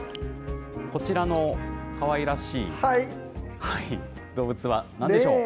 こちらのかわいらしい動物はなんでしょう。